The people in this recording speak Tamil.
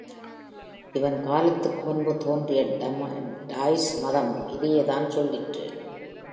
இவன் காலத்துக்கு முன்பு தோன்றிய டாய்ஸ் மதமும் இதையேதான் சொல்லிற்று.